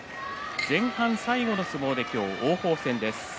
前半最後の相撲で今日王鵬戦です。